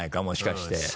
もしかして。